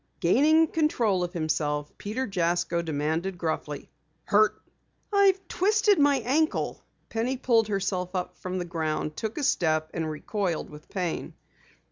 Gaining control of himself, Peter Jasko demanded gruffly: "Hurt?" "I've twisted my ankle." Penny pulled herself up from the ground, took a step, and recoiled with pain.